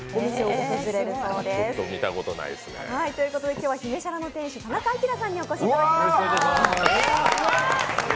今日じゃ姫沙羅の店主、田中さんにお越しいただきました。